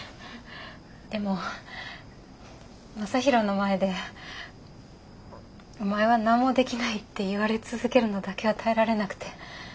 でも将大の前で「お前は何もできない」って言われ続けるのだけは耐えられなくて。